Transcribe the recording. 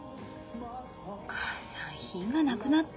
お母さん品がなくなった。